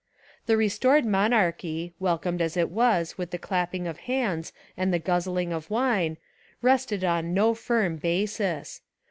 The restored monarchy, welcomed as it was with the clap ping of hands and the guzzling of wine, rested on no firm basis.